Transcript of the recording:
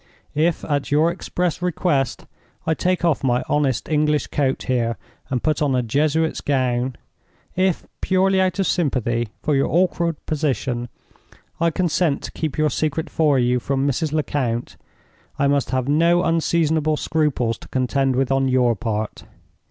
If, at your express request, I take off my honest English coat here and put on a Jesuit's gown—if, purely out of sympathy for your awkward position, I consent to keep your secret for you from Mrs. Lecount—I must have no unseasonable scruples to contend with on your part.